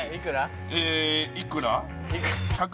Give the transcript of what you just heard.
えいくら？